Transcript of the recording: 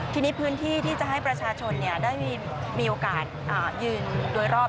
ทีนี้พื้นที่ที่จะให้ประชาชนได้มีโอกาสยืนโดยรอบ